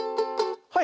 はい。